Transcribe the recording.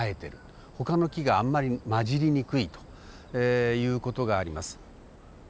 ほかの木があんまり混じりにくいという事があります。